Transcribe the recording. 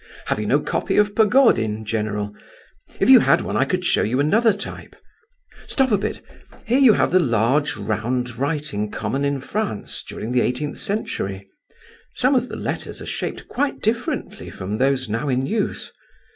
Have you no copy of Pogodin, general? If you had one I could show you another type. Stop a bit—here you have the large round writing common in France during the eighteenth century. Some of the letters are shaped quite differently from those now in use.